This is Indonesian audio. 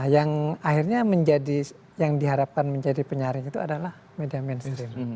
yang akhirnya menjadi yang diharapkan menjadi penyaring itu adalah media mainstream